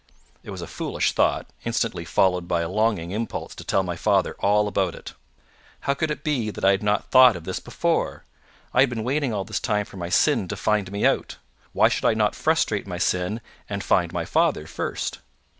It was a foolish thought, instantly followed by a longing impulse to tell my father all about it. How could it be that I had not thought of this before? I had been waiting all this time for my sin to find me out; why should I not frustrate my sin, and find my father first?